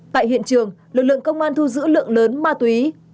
tại hiện trường lực lượng công an thu giữ lượng lớn ma túy